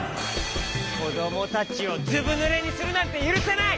こどもたちをずぶぬれにするなんてゆるせない！